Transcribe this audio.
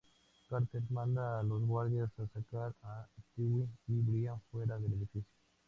Carter manda a los guardias a sacar a Stewie y Brian fuera del edificio.